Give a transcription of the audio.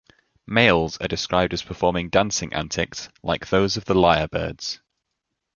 Males are described as performing dancing antics like those of the lyrebirds.